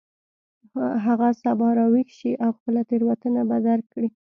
هغه به سبا راویښ شي او خپله تیروتنه به درک کړي